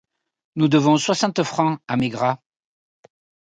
Nous devons soixante francs à Maigrat